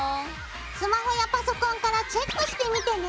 スマホやパソコンからチェックしてみてね！